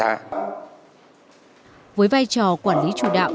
hạt kiểm lâm đã đổi mới công tác lãnh chỉ đạo